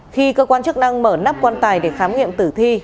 khi cơ quan chức năng mở nắp quan tài để khám nghiệm tử thi